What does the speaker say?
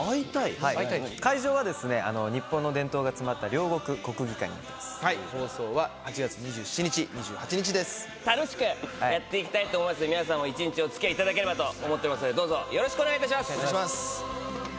会場は日本の伝統が詰まった放送は８月２７日、２８日で楽しくやっていきたいと思いますので、皆さんも一日おつきあいいただければと思ってますので、どうぞよろしくお願いします。